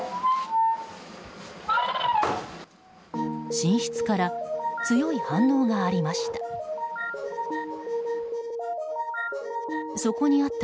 寝室から強い反応がありました。